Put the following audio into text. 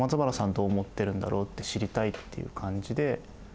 どう思ってるんだろうって知りたいっていう感じで。